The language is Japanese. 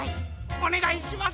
おねがいします。